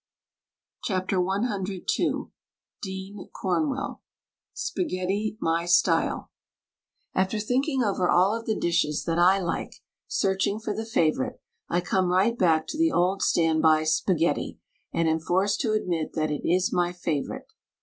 WRITTEN FOR MEN BY MEN en Dean Corn well SPAGHETTI MY STYLE After thinking over all of the dishes that I like — searching for the favorite — I come right back to the old standby, Spaghetti, and am forced to admit that it is my favorite.